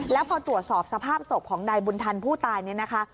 แล้วพอตรวจสอบสภาพศพของนายบุญทันผู้ตายเนี่ยนะคะ